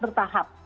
bisakah tercapai bu